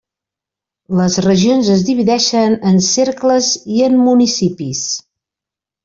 Les regions es divideixen en cercles i en municipis.